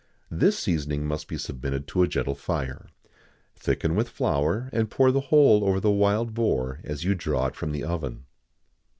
This seasoning must be submitted to a gentle fire; thicken with flour, and pour the whole over the wild boar as you draw it from the oven.